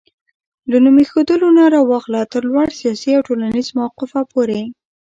له نوم ايښودلو نه راواخله تر لوړ سياسي او ټولنيز موقفه پورې